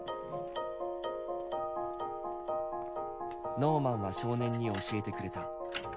ノーマンは少年に教えてくれた。